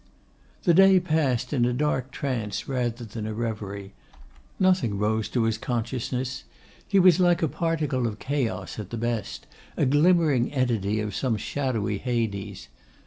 The day passed in a dark trance rather than a reverie. Nothing rose to his consciousness. He was like a particle of chaos; at the best, a glimmering entity of some shadowy Hades.